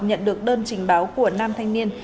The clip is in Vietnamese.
nhận được đơn trình báo của nam thanh niên